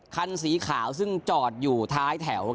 คันสีขาวซึ่งจอดอยู่ท้ายแถว